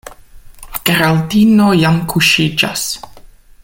Geraldino jam kuŝiĝas.